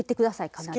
必ず。